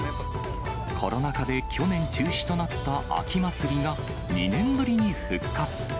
コロナ禍で去年中止となった秋まつりが２年ぶりに復活。